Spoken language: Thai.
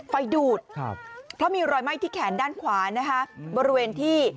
ไฟดูดครับเพราะมีรอยไหม้ที่แขนด้านขวานะคะบริเวณที่